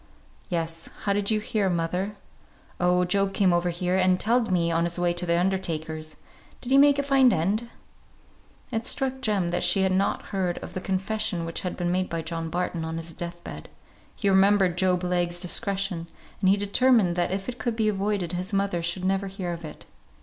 "Yes. How did you hear, mother?" "Oh, Job came over here and telled me, on his way to the undertaker's. Did he make a fine end?" It struck Jem that she had not heard of the confession which had been made by John Barton on his death bed; he remembered Job Legh's discretion, and he determined that if it could be avoided his mother should never hear of it.